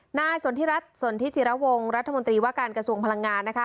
นายสนทิรัฐสนทิจิระวงรัฐมนตรีว่าการกระทรวงพลังงานนะคะ